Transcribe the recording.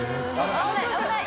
危ない危ない。